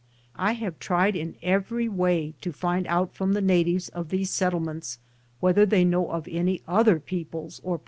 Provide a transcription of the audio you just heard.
1 I have tried in every way to find out from the natives of these settlements whether they know of any other peoples or provinces or 1 Dr. J.